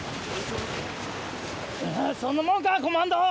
そんなもんかコマンドー！